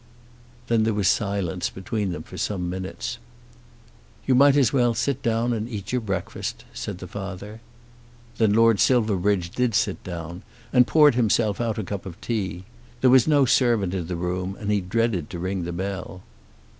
Then there was silence between them for some minutes. "You might as well sit down and eat your breakfast," said the father. Then Lord Silverbridge did sit down and poured himself out a cup of tea. There was no servant in the room, and he dreaded to ring the bell.